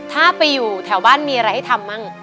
ถ้าไปอยู่แถวบ้านมีอะไรให้ทำบ้าง